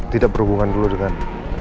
tidak berhubungan dulu dengan